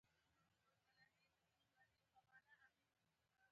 د افغان او انګلیس دوهم جنګ غیر عادلانه جګړه وه.